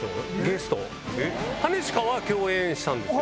兼近は共演したんですよね。